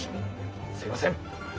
すみません！